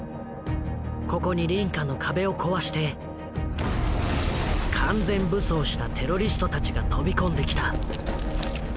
ここに隣家の壁を壊して完全武装したテロリストたちが飛び込んできた。